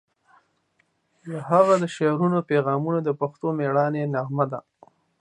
د هغه د شعرونو پیغامونه د پښتنو د میړانې نغمه ده.